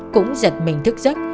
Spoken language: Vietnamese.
cũng giật mình thức giấc